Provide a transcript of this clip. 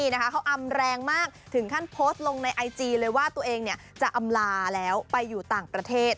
เขาอำแรงมากถึงขั้นโพสต์ลงในไอจีเลยว่าตัวเองจะอำลาแล้วไปอยู่ต่างประเทศ